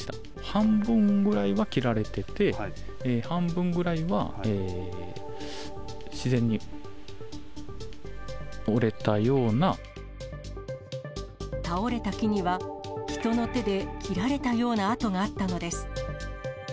半分ぐらいは切られてて、半分ぐらいは、倒れた木には、人の手で切られたような跡があったのです。